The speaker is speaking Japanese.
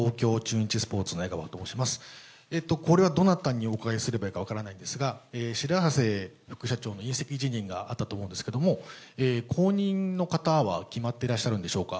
これはどなたにお伺いすればいいか分からないんですが、白波瀬副社長の引責辞任があったと思うんですけれども、公認の方は決まってらっしゃるんでしょうか。